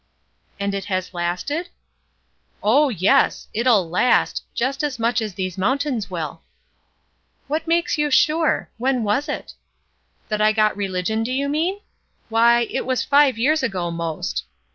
"And it has lasted?" 200 ESTER RIED'S NAMESAKE ^'Oh, yes, it'll last, jest as much as these mountains will.*' ''What makes you sure? When was it?" ''That I got religion, do you mean? Why, it was five years ago, 'most.